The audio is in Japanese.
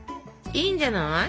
いいんじゃない？